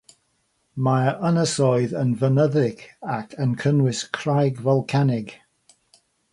Mae'r ynysoedd yn fynyddig ac yn cynnwys craig folcanig.